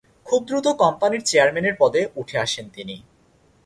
খুব দ্রুত কোম্পানির চেয়ারম্যানের পদে উঠে আসেন তিনি।